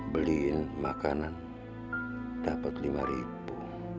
beliin makanan dapat lima ribu